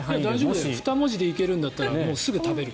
もし２文字で行けるんだったらすぐ食べる。